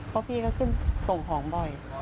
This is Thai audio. เพราะพี่ก็ขึ้นส่งของบ่อย